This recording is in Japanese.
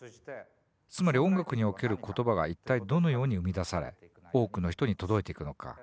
つまり音楽における言葉が一体どのように生み出され多くの人に届いていくのか。